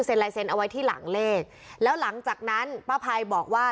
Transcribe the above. ลายเซ็นต์เอาไว้ที่หลังเลขแล้วหลังจากนั้นป้าภัยบอกว่า